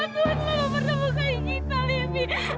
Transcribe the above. saya bukan livi